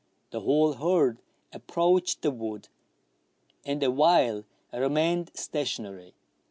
The whole herd approached the wood, and awhile remained stationary.